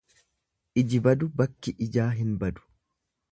iji badu bakki ijaa hin badu.